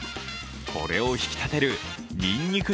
これを引き立てるにんにく